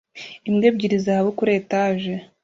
Imbwa ebyiri zahabu kuri etage